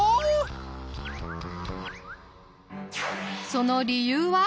その理由は？